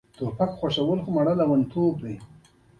ما ده ته وویل: سمه ده، له خیره به راووځم.